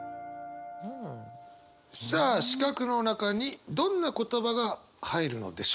さあ四角の中にどんな言葉が入るのでしょうか。